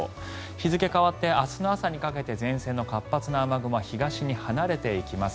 日付が変わって明日の朝にかけて前線の活発な雨雲は東に離れていきます。